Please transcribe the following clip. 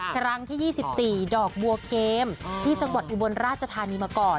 ครั้งที่๒๔ดอกบัวเกมที่จังหวัดอุบลราชธานีมาก่อน